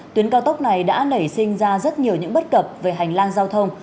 tuyến cao tốc này đã nảy sinh ra rất nhiều những bất cập về hành lang giao thông